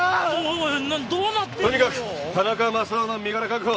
とにかく田中マサオの身柄確保。